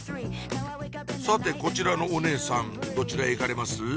さてこちらのお姉さんどちらへ行かれます？